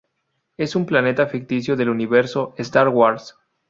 Es un planeta ficticio del universo Star Wars.